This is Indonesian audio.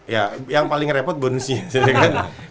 ya yang paling repot bonusnya kan